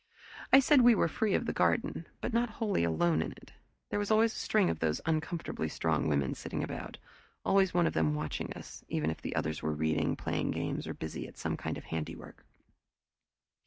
I said we were free of the garden, but not wholly alone in it. There was always a string of those uncomfortably strong women sitting about, always one of them watching us even if the others were reading, playing games, or busy at some kind of handiwork.